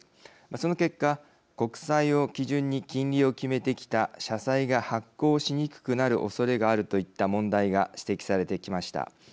その結果国債を基準に金利を決めてきた社債が発行しにくくなるおそれがあるといった問題が指摘されてきました。